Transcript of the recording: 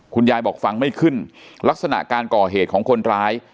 คุณยายบอกฟังไม่ขึ้นลักษณะการก่อเหตุของคนร้าย